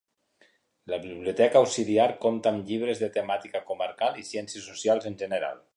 La biblioteca auxiliar compta amb llibres de temàtica comarcal i ciències socials en general.